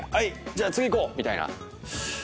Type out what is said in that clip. じゃあ次いこう」みたいな。